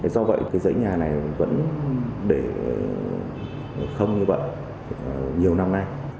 do vậy cái dãy nhà này vẫn để không như vậy nhiều năm nay